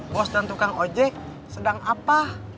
bos dan tukang ojek sedang apa